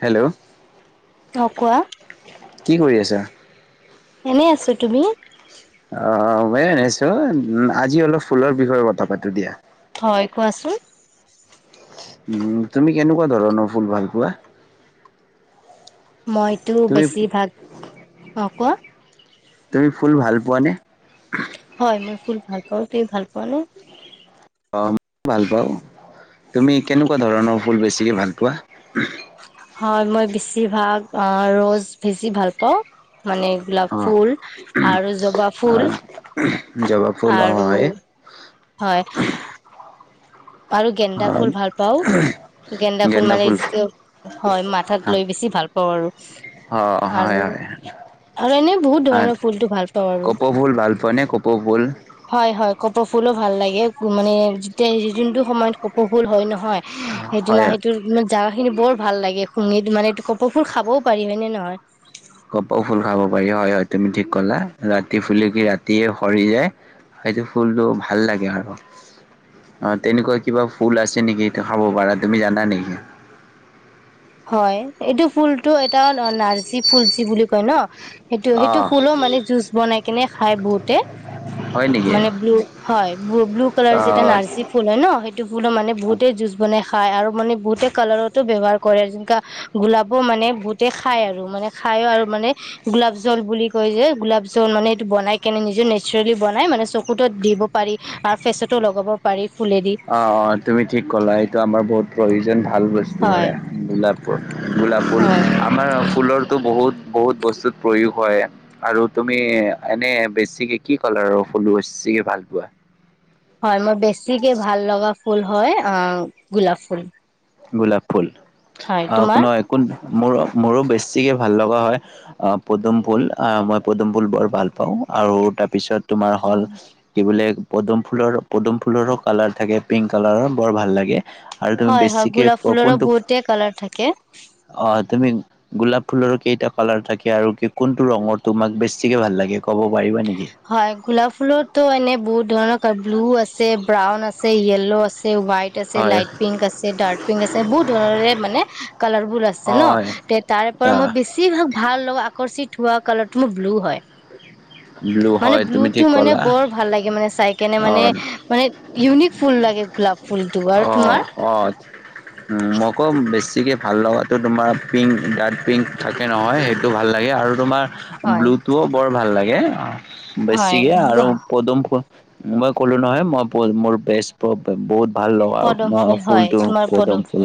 'Hello. অ কোৱা। কি কৰি আছা। এনেই আছো তুমি। অঁ অঁ। মই এনেই আছোঁ আজি অলপ ফুলৰ বিষয়ে কথা পাতো দিয়া। হয় কোৱাচোন। ওম তুমি কেনেকুৱা ধৰণৰ ফুল ভাল পোৱা? মইতো তুমি বেছি ভাগ অ কোৱা তুমি ফুল ভাল পোৱানে? হয় মই ফুল ভাল পাওঁ ।তুমি ভাল পোৱা নে? অঁ মই ভাল পাওঁ তুমি কেনেকুৱা ধৰণৰ ফুল বেছিকে ভাল পোৱা? হয় মই বেছিভাগ ৰৌজ বেছি ভাল পাওঁ । মানে গোলাপ অ' ফুল আৰু জবা ফুল জবা ফুল অ আৰু হয় হয় আৰু গেন্দা ফুল ভাল পাও গেন্দা ফুল মানে হয় মাথাত লৈ বেছি ভাল পাওঁ আৰু অ' আৰু হয় হয়। আৰু এনে বহুত ধৰণৰ ফুলটো ভাল পাওঁ আৰু কপৌ ফুল ভাল পোৱা নে কপৌ ফুল? হয় হয় কপৌ ফুলো ভাল লাগে মানে যেতিয়া যোনটো সময়ত কপৌ ফুল হয় নহ হয় সেইদিনা হয় সেইটো জাগা খিনি বৰ ভাল লাগে শুঙি মানে কপৌ ফুল‌ খাবও পাৰি হয় নে নহয়? কপৌ ফুল খাব পাৰি হয় হয় তুমি ঠিক কলা ৰাতি ফুলি কি ৰাতিয়ে সৰি যায় সেইটো ফুলটো ভাল লাগে আৰু অ তেনেকুৱা কিবা ফুল আছে নেকি সেটো খাব পাৰা তুমি জানা নেকি‌? হয় এইটো ফুলটো এটা ন নাৰ্জী ফুলচি বুলি কয় ন সেইটো অ সেইটো ফুলো মানে জুচ বনাই কেনে খাই বহুতে হয় নেকি অ মানে ব্লু হয় ব্লু কালাৰ যেটা নাৰ্জী ফুল হয় ন সেইটো ফুলো মানে বহুতেই জুজ বনাই খ খাই আৰু মানে বহুতে কালাৰটো ব্যৱহাৰ কৰে যেনেকা গোলাপো মানে বহুতে খাই আৰু মানে খাইও আৰু মানে গোলাপ জল বুলি কয় যে গোলাপ জল মানে এইটো বনাই কেনে নিজে নেচাৰেলি বনাই মানে চকুতত দিব পাৰি আৰু ফেচতো লগাব পাৰি । অ অ তুমি ঠিক ক'লা এইটো আমাৰ বহুত প্ৰ [unintelligible] যেন ভাল বস্তু হয় গোলাপ গোলাপ ফুল হয় আমাৰ ফুলৰ টো বহুত বহুত বস্তুত প্ৰয়োগ হয় আৰু তুমি এনে বেছিকে কি কালাৰৰ ফুল বেছিকে ভাল পোৱা? হয় মই বেছিকে ভাল লগা ফুল হয় আ গোলাপ ফুল গোলাপ ফুল হয় অ তোমাৰ নহয় মোৰো মোৰো বেছিকৈ ভাল লগা হয় অ পদুম ফুল অ মই পদুম ফুল বৰ ভাল পাওঁ আৰু তাৰপিছত তোমাৰ হল কি বোলে পদুম ফুলৰ পদুম ফুলৰো কালাৰ থাকে পিংক কালাৰৰ বৰ ভাল লাগে । আৰু তুমি হয় হয় বেছিক গোলাপ ফুলৰো বহুতেই কালাৰ থাকে অ তুমি গোলাপ ফুলৰো কেইটা কালাৰ থাকে আৰু কোনটো ৰঙৰ তোমাক বেছিকে ভাল লাগে ক'ব পাৰিবা নেকি? হয় গোলাপ ফুলতো এনে বহুত ধৰণৰ ব্লু আছে ব্ৰাউন আছে য়েল্ল' আছে হোৱাইট আছে হয় লাইট পিংক আছে ডাৰ্ক পিংক আছে বহুত ধৰণৰে মানে কালাৰফুল আছে ন হয় তে তাৰ পৰা মই বেছিভাগ ভাল ল আকৰ্ষিত থোৱা কালাৰটো মোৰ ব্লু হয়। ব্লু মানে হয় তুমি ব্লুতটো ঠিক মানে ক'লা বৰ ভাল লাগে মানে চাই কেনে অ মানে মানে ইউনিক ফুল লাগে গোলাপ ফুলটো আৰু অ তোমাৰ অ উ মোকো বেছি গতিকে ভাল লগাটো তোমাৰ পিংক ডাৰ্ট পিংক থাকে নহয় সেইটো ভাল লাগে আৰু তোমাৰ হয় ব্লুতটোও বৰ ভাল লাগে অঁ হয় বেছিকে আৰু পদুম ফুল মই কলো নহয় মই মোৰ বেছ বহুত ভাল লগা পদম ভঙা ফুল হয় ফুলটো তোমাৰ পদম ফুল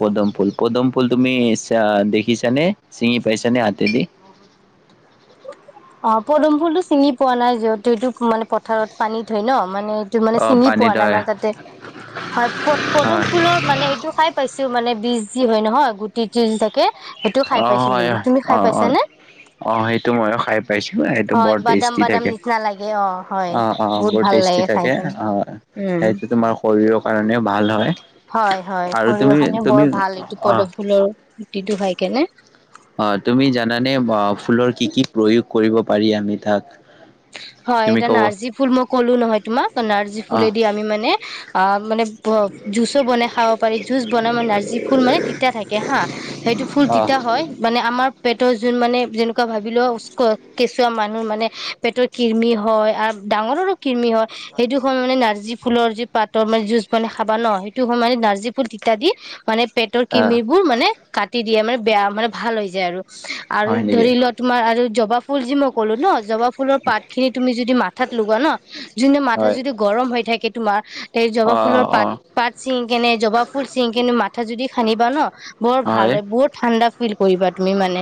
পদম ফুল পদম ফুল তুমি দেখিছানে চিঙি পাইছানে হাতেদি অ পদম ফুল টো ছিঙি পোৱা নাই যিহেতু মানে পথাৰত পানীত‌ হয় ন মানে সেইটো মানে অ', চিঙি পোৱা পানীত নাই হয় মাজতে হয় প পদুম হয় ফুলৰ মানে সেইটো খাই পাইছো টো মানে বিজ যি হয় নহয় গুটি তিল থাকে সেইটো খাই অ পাইছো হয় কিন্তু তুমি অ খাই অ পাইছানে? অ সেইটো ময়ো খাই পাইছো সেইটো হয় বৰ বাদাম তেজতি বাদাম থাকে নিচিনা লাগে অ হয় অ অ বহুত বৰ ভাল তেজতি লাগে খাই কেনে অ উম সেইটো ় [unintelligible] হয় হয় আৰু তুমি শৰীৰখনে তুমি বৰ ভাল এইটো অ'। পদম ফুলৰ গুতিটো হয় কেনে অ তুমি জানানে ফুলৰ কি কি প্ৰয়োগ কৰিব পাৰি আমি তাক হয় তুমি এটা ক'ব নাৰ্জী ফুল মই ক'লো নহয় তোমাক নাৰ্জী অ', ফুলেদি আমি মানে অ মানে জুচো বনাই খাব পাৰি জুচ বনাই মে নাৰ্জী ফুল মানে তিতা থাকে হা সেইটো ফুল অ', তিতা হয় মানে আমাৰ পেটৰ যোন মানে যেনেকুৱা ভাবি লও কেঁচুৱা মানুহ মানে পেটৰ কিৰমি হয় আৰু ডাঙৰৰো কিৰমি হয় সেইটো সময়ত মানে নাৰ্জী ফুলৰ যি পাতৰ মানে যুজ মানে খাবা ন সেইটো সময় মানে নাৰ্জী ফুল তিতা দি মানে পেটৰ অ', কিমিৰিবোৰ মানে কাটি দিয়ে মানে বেয়া মানে ভাল হৈ যায় আৰু আৰু হয় নেকি? ধৰি লোৱা তোমাৰ আৰু জবা ফুল যি মোক ক'লো ন জবা ফুলৰ পাত তুমি যদি মাথাত লগোৱা ন যোনতো মাথা হয় যদি গৰম হৈ থাকে। তোমাৰ এই জবা ফুলৰ অ', অ', পাত অ', পাত ছিঙ কেনে জৱা ফুল চিঙি কেনে মাথা যদি সানিবা ন বৰ ভাল হয় বৰ ঠাণ্ডা। ফিল কৰিবা তুমি মানে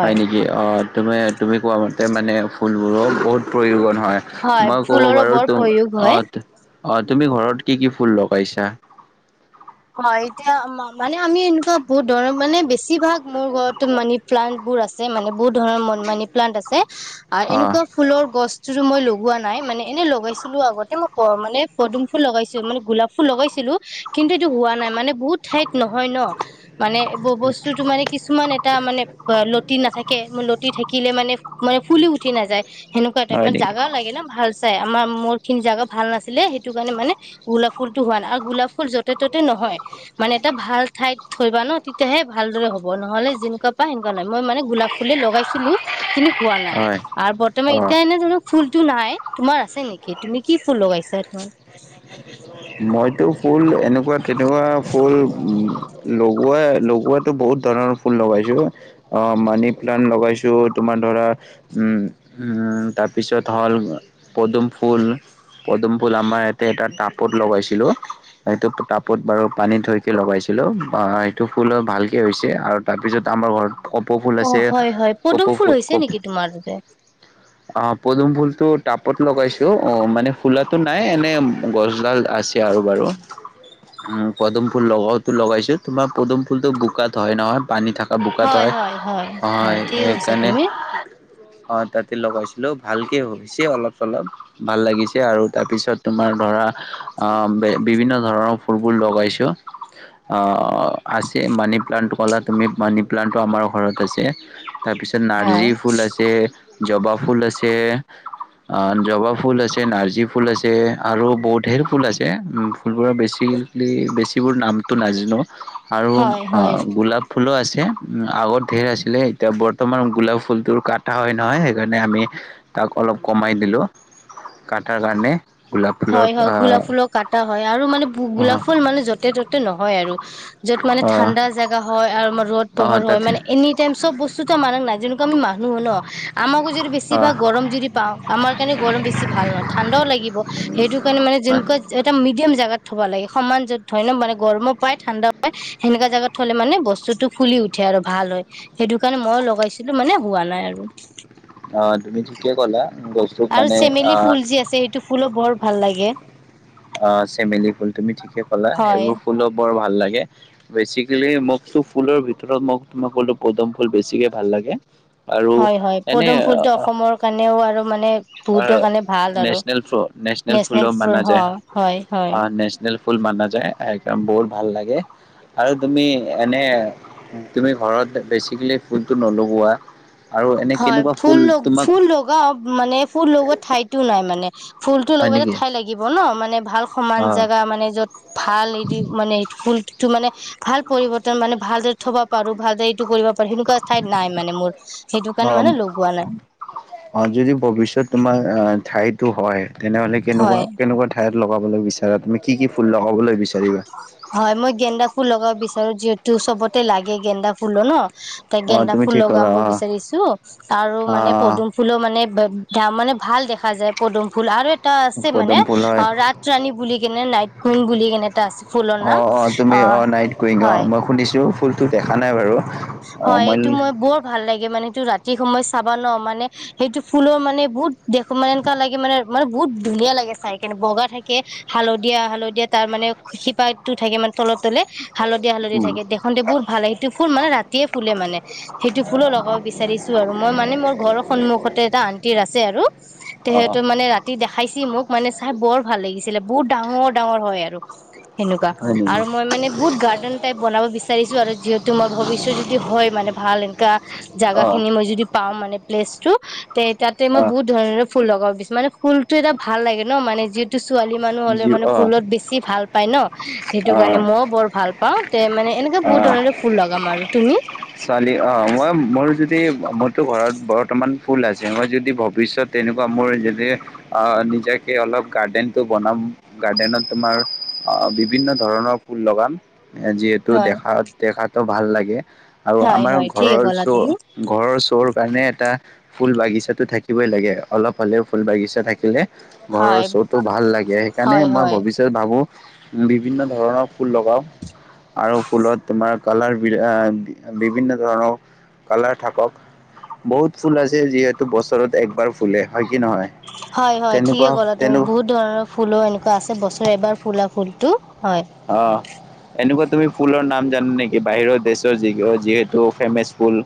হয় নেকি অ তুমি তুমি কোৱা মান তাৰ মানে ফুলবোৰৰ বহুত প্ৰয়োজন হয় মই ক'ব ফুলৰো পাৰো বৰ ত প্ৰয়োগ হয় অ অ, তুমি ঘৰত কি কি ফুল লগাইছা। হয়', এতিয়া মানে আমি এনেকুৱা বহুত ধৰণৰ মানে বেছি ভাগ মোৰ ঘৰত মানি -প্লানট বোৰ আছে, মানে বহুত ধৰণৰ মানি -প্লানট আছে। আৰু অ', এনেকুৱা ফুলৰ গছ, যিটো মই লগোৱা নাই মানে ।এনেই লগাইছিলো আগতে মই মানে পদুম- ফুল, লগাইছিলো মানে গোলাপ- ফুল লগাইছিলো কিন্তু হোৱা নাই মানে, বহুত ঠাইত নহয় ন', মানে বস্তুতটো মানে কিছুমান এটা মানে লতি নাথাকে, লতি থাকিলে মানে মানে ফুলি উঠি নাযায়, হেনেকোৱা তাইপ হয় মানে নেকি জাগাঁও লাগে ন', ভাল, আমাৰ মোৰ খিনি জাগা ভাল নাছিলে, সেইটো কাৰণে মানে গোলাপ ফুলটো হোৱা নাই, আৰু গোলাপ ফুল য, য'তে ত'তে নহয় মানে, এটা ভাল ঠাইত থৈ বা', ন', তেতিয়াহে ভালদৰে হ'ব নহলে যেনেকুৱা পাই সেনেকা নহয় মই মানে গোলাপ ফুলে লগাইছিলো কিনি পোৱা নাই হয় আৰু বৰ্তমান অ'। এতিয়া এনে ধৰক ফুল মোৰটো নাই, তোমাৰ আছে নেকি তুমি কি ফুল লগাইছা? মইতো ফুল, এনেকুৱা-তেনেকুৱা ফুল লগোৱাই লগোৱাতটো বহুত ধৰণৰ ফুল লগাইছোঁ মানি প্লানট লগাইছোঁ। তোমাৰ ধৰা তাৰপিছত হ'ল পদুম - ফুল', পদুম-ফুল আমাৰ ইয়াতে এটা টাপ টাপত লগাইছিলোঁ ।সেইটো টাপত বাৰু পানীত থৈকে লগাইছিলোঁ বা সেইটো ফুল ভালকে হৈছে, আৰু তাৰপিছত আমাৰ ঘৰত কপৌ ফুল অ', আছে -হয় -হয় পদুম কপৌ ফুল হৈছে কপ নেকি তোমাৰ তাতে? অ পদুম ফুল টো টাপত লগাইছো অ', মানে ফুলাটো নাই এনে গছ দুডাল আছে আৰু- বাৰু পদুম ফুল লগোৱাত লগাইছো, তোমাৰ পদুম-ফুল টো বোকাত হয়- নহয় পানী থাক হয়-হয়- হয়-হয় ঠিকেই কৈছা সেইকাৰণে তুমি, অ', তাতে লগাইছিলো ভালকে হৈছে অলপ- চলপ ভাল লাগিছে আৰু তাৰপিছত তোমাৰ ধৰা অ', বিভিন্ন ধৰণৰ ফুলবোৰ লগাইছো আহ', আছে মানি-প্লানট কলা তুমি ', মানি- প্লানটো আমাৰ ঘৰত আছে। তাৰপিছত নাৰ্জী হয় ফুল আছে, । জবা ফুল আছে, অ', জবা ফুল আছে, নাৰ্জী ফুল আছে, আৰু বহুত ঢেৰ ফুল আছে, ফুলবোৰৰ বেছি বেছিবোৰ নামটো নাজনো। আৰু হয় হয় অ', গোলাপ-ফুলো আছে। আগত ঢেৰ আছিলে এতিয়া বৰ্তমান গোলাপ ফুলটোৰ কাটা হয়- নহয়, সেইকাৰণে আমি তাক অলপ কমাই দিলোঁ কাটাৰ কাৰণে। গুলাপ হয় ফুলত, হয় গোলাপ ফুলক কাটা হয় আৰু মানে গোলাপ ফুল মানে য'তে- ত'তে নহয় আৰু। [unintelligible] য'ত মানে অহ ঠাণ্ডা জোগা হয় আৰু আমাৰ ৰ'দ অহ পোহৰ হয় তাত মানে, এনি টাইম চব বস্তুতো মানক নাই', যেনেকুৱা আমি মানুহ ন', আমাকো যদি বেছিভাগ অহ গৰম যদি পাওঁ আমাৰ কাৰণে গৰম বেছি ভাল নহয়, ঠাণ্ডাও লাগিব সেইটো কাৰণে, মানে যেনেকুৱা এটা মিডিয়াম জাগাত, থ'ব লাগে সমান য'ত হয় ন ', মানে গৰমো পায়, ঠাণ্ডা পায়, সেনেকা জাগাত থলে মানে বস্তুটো ফুলি উঠে আৰু ভাল হয় ।সেইটো কাৰণে মইও লগাইছিলো মানে হোৱা নাই আৰু অ', তুমি ঠিকে কলা, গছটোক আৰু মানে চেমেলি আহ ফুল যে আছে, সেইটো ফুলো বৰ, ভাল লাগে। অ', চেমেলি ফুল তুমি ঠিকে ক'লা হয় এইবোৰ ফুলো বৰ, ভাল লাগে বেচিকেলি মোকতো ফুলৰ ভিতৰত মোক তোমাক ক'লো পদুম ফুল বেছিকে ভাল লাগে আৰু হয় হয় এনে পদুম ফুলটো অসমৰ কাৰণেও আৰু মানে বহুতৰ কাৰণে ভাল আৰু নেচনেল ফ ফুলো নেচনেল মানা ফুল যায়। অ অ নেচনল ফুল মানা যায় একদম বহুত ভাল লাগে আৰু তুমি এনে তুমি ঘৰত বেছিকেলি ফুলটো নলগোৱা আৰু এনে হয় কেনেকুৱা ফুল তোমাক ফুল লগাও মানে ফুল লগোৱা ঠাইতো নাই মানে ফুলটো হয় লগালে নেকি ঠাই লাগিব ন মানে ভাল সমান অ', জাগা মানে য'ত ভাল হেৰি মানে ফুলটো মানে ভাল পৰিৱৰ্তন মানে ভালদৰে থব পাৰো ভালদৰে এইটো কৰিব পাৰো সেনেকুৱা ঠাইত নাই মানে মোৰ সেইটো অ কাৰণে মানে লগোৱা নাই অ যদি ভৱিষ্যৎ তোমাৰ আহ ঠাইটো হয় তেনেহ'লে হয় কেনেকুৱা কেনেকুৱা ঠাইত লগাবলৈ বিচাৰ তুমি কি কি ফুল লগাবলৈ বিচাৰা হয় মই গেন্দা ফুল লগাব বিচাৰো যিহেতু তো চবতে লাগে গেন্দা ফুলো ন তাক অ গেন্দা তুমি ফুল ঠিক ক'লা লগাব অ বিচাৰিছো আৰু মানে পদুম অ ফুলো মানে দাম মানে ভাল দেখা যায় পদুম ফুল আৰু এটা আছে মানে পদম ফুল হয় অ ৰাত ৰাণী বুলি কেনে নাইট কুইন বুলি কেনে এটা আছে ফুলৰ অ নাম অ তুমি অ নাইট কুইণ অ হয় মই শুনিছো ফুল দেখা নাই বাৰু হয় এইটো মই বৰ ভাল লাগে মানে টো ৰাতি সময়ত চাবা ন মানে সেইটো ফুলো মানে বহুত দেখো মানে এনকা লাগে মানে মুক বহুত ধুনীয়া লাগে চাইকেনে বগা থাকে হালধীয়া হালধীয়া তাৰ মানে শিপাটো থাকে মানে তলে তলে হালধীয়া হালধীয়া উম থাকে দেখোনতে বহুত ভাল লাগে সেইটো ফুল মানে ৰাতি তিয়ে ফুলে মানে সেইটো ফুলো লগাব বিচাৰিছো আৰু মই মানে মোৰ ঘৰৰ সন্মুখতে এটা আণ্টিৰ আছে আৰু অ তেহেতু মানে ৰাতি দেখাইছি মোক মানে চাই বৰ ভাল লাগিছিলে বহুত ডাঙৰ ডাঙৰ হয় আৰু। সেনেকুৱা হয় নেকি আৰু মই মানে বহুত গাৰ্ডেন টাইপ বনাব বিচাৰিছো আৰু যিহেতু মই ভৱিষ্যত? হয় মানে ভাল এনকা। জাগা অ খিনি মই যদি পাওঁ মানে? প্লেছ টু, তে', তাতে মই অ বহুত ধৰণৰ, ফুল লগাব দিছ, মানে ফুলটো এটা ভাল লাগে ন', মানে যিহেত? ছোৱালী মানুহ হ'লে যি মানে অ ফুলত বেছি ভাল পায় ন', সেইটো অ কাৰণে মইও বৰ ভাল পাওঁ তে', মানে। এনেকে বহুত অ ধৰণৰে ফুল লগাম আৰু, তুমি ছোৱালী, অ', মই মোৰ য, যে মোৰতো ঘৰত বৰ্তমান ফুল আছে, মই', যদি ভৱিষ্যত তেনেকুৱা মোৰ যদি নিজাকে অলপ গাৰ্ডেনটো বনাম, গাৰ্ডেনত তোমাৰ বিভিন্ন ধৰণৰ ফুল লগাম টো হয় দেখাত-দেখাত। ত', ভাল লাগে। আৰু হয় আমাৰ হয় ঠিকে ঘৰৰ ক'লা শ্বো', তুমি ঘৰৰ শ্বৰ কাৰণে এটা, ফুল বাগিছাতো থাকিবই লাগে। অলপ হলেও ফুল বাগিছা থাকিলে ঘৰৰ হয় শ'টো ভাল লাগে সেইকাৰণে হয় মই হয় ভৱিষ্যত ভাবো, বিভিন্ন ধৰণৰ ফুল লগাও, আৰু ফুলত তোমাৰ কালাৰ বি বিভিন্ন ধৰণৰ কালাৰ থাকক, বহুত ফুল আছে যিহেতু বছৰত একবাৰ ফুলে হয় কি নহয়? হয়', - হয় ', ঠিকে তেনেকুৱা ক'লা তুমি তেনে বহুত ধৰণৰ ফুলো এনেকুৱা আছে বছৰে এবাৰ ফুলা। ফুলটো, হয় অ', এনেকুৱা। তুমি ফুলৰ নাম জানা নেকি? বাহিৰৰ দেশৰ? যি', যিহেতু ফেমাচ ফুল,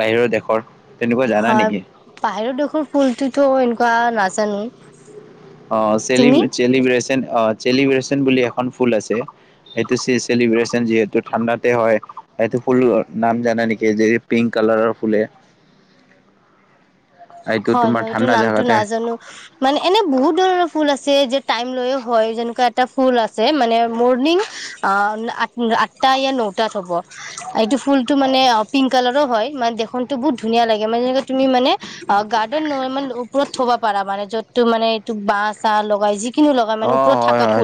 বাহিৰৰ দেশৰ? তেনেকুৱা জানা হয়', নেকি বাহিৰৰ দেশৰ ফুলটোতো এনেকুৱা নাচ, জানো, অ', চেলিম চেলিব্ৰেচন? চেলিব্ৰেচন বুলি এখন ফুল আছে, এইটো চেলিব্ৰচন যিহেতু ঠাণ্ডাতে হয়', এইটো ফুল নাম জানা নেকি? যে ', পিংক কালাৰৰ ফুলে। এইটো তোমাৰ হয়-হয় এইটো ঠাণ্ডা নামতটো জাগাত হে নাজানো মানে এনে বহুত ধৰণৰ ফুল আছে যে', টাইম লৈযও হয় যেনেকুৱা এটা ফুল আছে, মানে মৰ্ণিং অ', আঠটা ইয়া নটাত হ'ব। এইটো ফুলটো মানে অ', পিংক কালাৰো হয়, মানে দেখোতে বহুত ধুনীয়া লাগে, মানে যেনেকে তুমি মানে অ', গাৰ্ডেন নহয় মানে ওপৰত থবা পাৰা মানে য'ত তো', মানে এইটো বাহ-চাহ লগাই যি অ', -হয়-হয়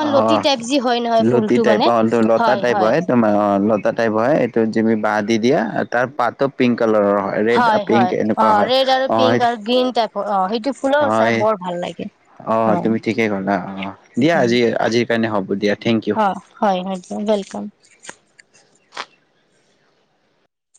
মানে লতি টাইপ যি হয় নহয় লুতি ফুলটো টাইপ মানে অ', - লতা টাইপ হয় ', তোমাৰ অ', -লতা টাইপ হয় এইটো যি', -ব দি', -দিয়া তাৰ পাতো -পিংক। কালাৰৰ হয় ৰেড-পিংক এনেকুৱা হয়', ৰেড আৰু - পিংক অ', আৰু গ্ৰীণ টাইপৰ অ', -অ' সে অ', -অ', হয়। তুমি ঠিকেই কলা। অ', দিয়া আজি- -আজি সেইকাৰণে হ'ব দিয়া। থেংক ইউ অ' হয়। [unintelligible] ৱেলকাম।